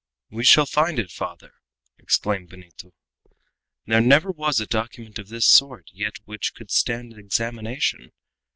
"We shall find it, father!" exclaimed Benito. "There never was a document of this sort yet which could stand examination.